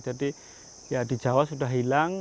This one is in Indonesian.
jadi ya di jawa sudah hilang